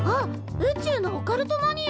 宇宙のオカルトマニア。